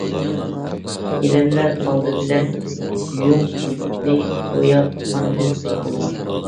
گىلەملەر ئالدى بىلەن يۇڭ يىپنى بوياپ، ئاندىن توقۇلغان.